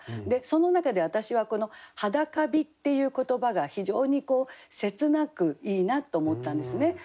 その中で私はこの「裸灯」っていう言葉が非常に切なくいいなと思ったんですね。